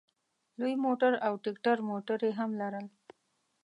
لوی موټر او ټیکټر موټر یې هم لرل.